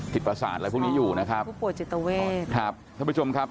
พิษประสาทอะไรพวกนี้อยู่นะครับท่านผู้ชมครับ